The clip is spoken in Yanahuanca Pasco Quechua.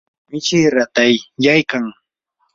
mishii ratakyaykan.